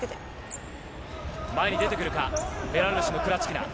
前に出てくるか、ベラルーシのクラチキナ。